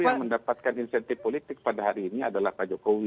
yang mendapatkan insentif politik pada hari ini adalah pak jokowi